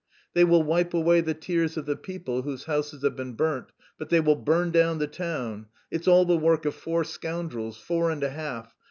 "They will wipe away the tears of the people whose houses have been burnt, but they will burn down the town. It's all the work of four scoundrels, four and a half!